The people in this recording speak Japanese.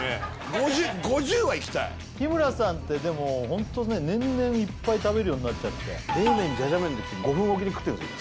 ５０５０はいきたい日村さんってでもホントね年々いっぱい食べるようになっちゃって冷麺じゃじゃ麺ってきて５分おきで食ってるんですよ